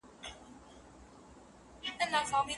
ولي خاوند او ميرمن بايد ښه ژوند ولري؟